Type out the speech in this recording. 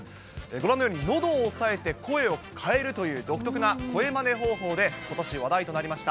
ご覧のように、のどを押さえて声を変えるという独特な声まね方法で、ことし話題となりました。